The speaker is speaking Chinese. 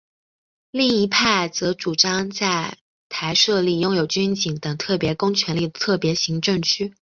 另一派则主张在台设立拥有军警等特别公权力的特别行政区。